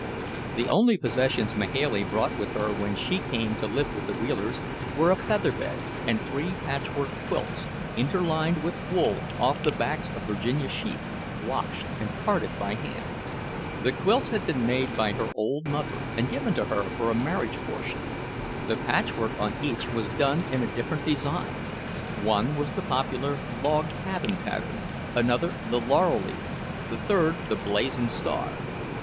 The only possessions Mahailey brought with her when she came to live with the Wheelers, were a feather bed and three patchwork quilts, interlined with wool off the backs of Virginia sheep, washed and carded by hand. The quilts had been made by her old mother, and given to her for a marriage portion. The patchwork on each was done in a different design; one was the popular "log cabin" pattern, another the "laurel leaf," the third the "blazing star."